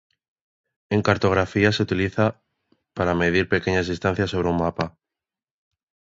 En cartografía se utiliza para medir pequeñas distancias sobre un mapa.